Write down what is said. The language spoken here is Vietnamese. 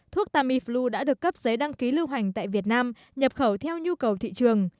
thuốc tamiflu đã được cấp giấy đăng ký lưu hành tại việt nam nhập khẩu theo nhu cầu thị trường